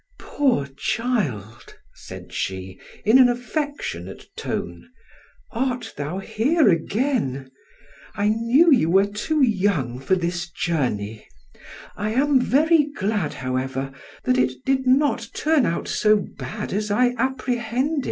"Poor child!" said she, in an affectionate tone, "art thou here again? I knew you were too young for this journey; I am very glad, however, that it did not turn out so bad as I apprehended."